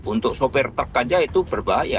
untuk sopir truk aja itu berbahaya